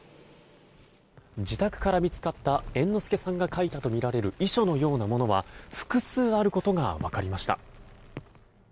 自宅から見つかった猿之助さんが書いたとみられる遺書のようなものは複数あることが分かりました。